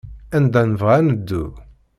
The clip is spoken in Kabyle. Anda nebɣa ad neddu.